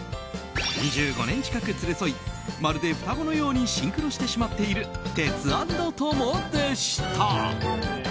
２５年近く連れ添いまるで双子のようにシンクロしてしまっているテツａｎｄトモでした。